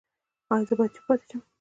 ایا زه باید چوپ پاتې شم؟